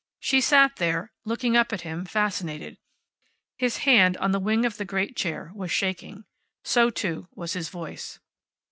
She sat there, looking up at him, fascinated. His hand, on the wing of the great chair, was shaking. So, too, was his voice.